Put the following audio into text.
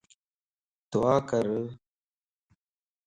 دعا ڪر